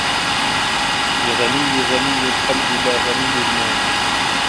الغنى غنى القلب لا غنى المال